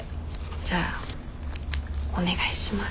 じゃあお願いします。